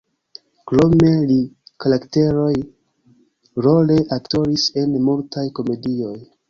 Krome li karakteroj-role aktoris en multaj komedioj.